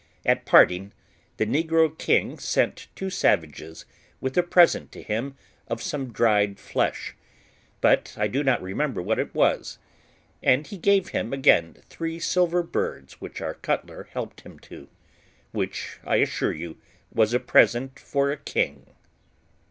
At parting, the negro king sent two savages with a present to him of some dried flesh, but I do not remember what it was, and he gave him again three silver birds which our cutler helped him to, which I assure you was a present for a king.